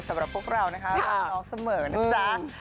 สำหรับพวกเรานะคะรักน้องเสมอนะจ๊ะ